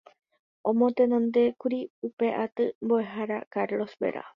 Omotenondékuri upe aty Mboʼehára Carlos Vera.